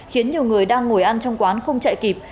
khiến nhiều người đang ngồi ăn trong quán không chạy kịp